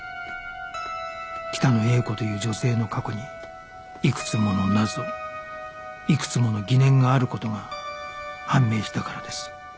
北野英子という女性の過去にいくつもの謎いくつもの疑念がある事が判明したからです